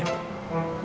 mau dikirim dari toko